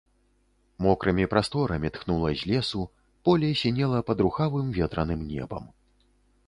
Мокрымі прасторамі тхнула з лесу, поле сінела пад рухавым ветраным небам.